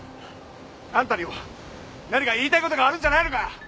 あんたにも何か言いたい事があるんじゃないのか？